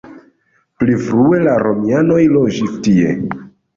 Pli frue la romianoj loĝis tie.